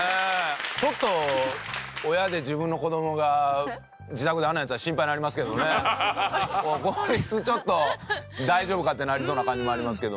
ちょっと親で自分の子供が自宅であんなんやってたらこいつちょっと大丈夫か？ってなりそうな感じもありますけど。